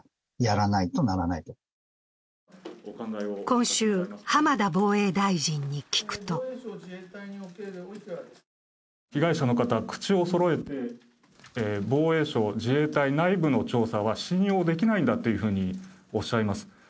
今週、浜田防衛大臣に聞くと被害者の方は口をそろえて、防衛省、自衛隊内部の調査は信用できないんだとおっしゃいます。